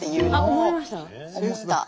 思った。